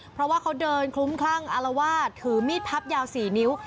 เพราะว่าเขาเดินคลุ้มคลั่งอารวาสถือมีดพับยาว๔นิ้ว